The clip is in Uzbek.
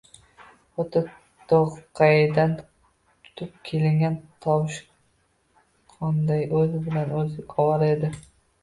Xuddi to‘qaydan tutib kelingan tovushqonday o‘zi bilan o‘zi ovora edi